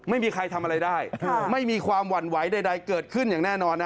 ไม่มีใครทำอะไรได้ไม่มีความหวั่นไหวใดเกิดขึ้นอย่างแน่นอน